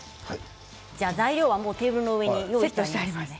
材料はテーブルの上に用意してあります。